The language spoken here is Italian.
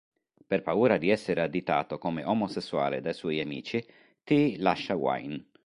Per paura di essere additato come omosessuale dai suoi amici Tee lascia Wine.